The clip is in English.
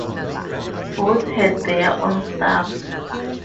Both had their own staff.